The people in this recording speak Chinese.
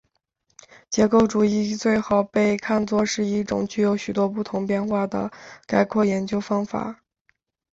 结构主义最好被看作是一种具有许多不同变化的概括研究方法。